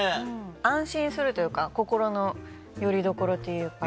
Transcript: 安心するというか心のよりどころというか。